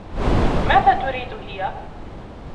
ماذا تريد هى؟